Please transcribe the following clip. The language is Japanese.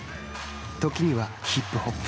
時には、ヒップホップ。